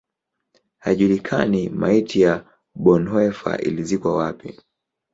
Haijulikani maiti ya Bonhoeffer ilizikwa wapi.